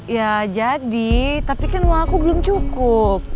ya jadi tapi kan uang aku belum cukup